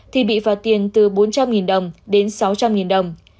thì bị phạt tiền từ bốn trăm linh đồng đến sáu trăm linh đồng